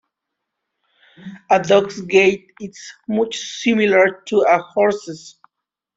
A dog's gait is much similar to a horse's.